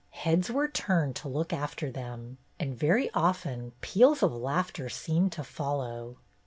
Heads were turned to look after them, and very often peals of laughter seemed to follow.